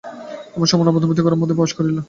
এমন সময় নবদম্পতি ঘরের মধ্যে প্রবেশ করিল।